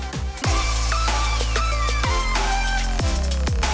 ternyata cocok bagi selera lidah indonesia